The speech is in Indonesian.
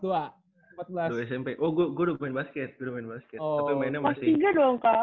oh gua udah main basket gua udah main basket